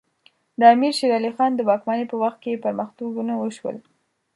د امیر شیر علی خان د واکمنۍ په وخت کې پرمختګونه وشول.